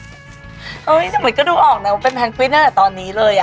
เห้ยแต่เหมือนก็ดูออกนะว่าเป็นฮันควินต์นั้นแหละตอนนี้เลยอ่ะ